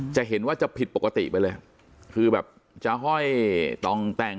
จะเห็นว่าจะผิดปกติไปเลยคือแบบจะห้อยต่องแต่ง